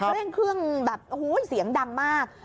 เร่งเครื่องแบบโอ้โหเสียงดังมาก